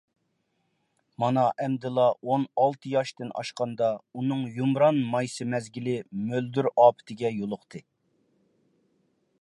مانا ئەمدىلا ئون ئالتە ياشتىن ئاشقاندا، ئۇنىڭ يۇمران مايسا مەزگىلى مۆلدۈر ئاپىتىگە يولۇقتى.